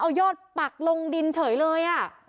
เอายอดปักลงดินเฉยเลย